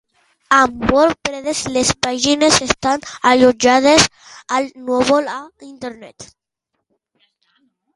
Amb WordPress, les pàgines estan allotjades al núvol, a internet.